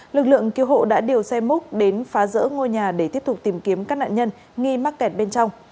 lực lượng cứu hộ đã điều xe múc đến phá rỡ ngôi nhà để tiếp tục tìm kiếm các nạn nhân nghi mắc kẹt bên trong